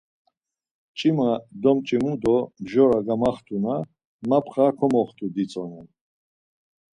Mç̌ima domç̌imu do mjora gamaxt̆una mapxa komoxt̆u ditzonen.